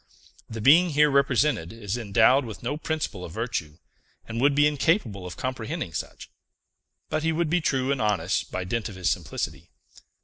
The being here represented is endowed with no principle of virtue, and would be incapable of comprehending such; but he would be true and honest by dint of his simplicity.